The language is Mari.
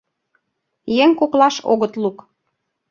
Еҥ коклаш огыт лук.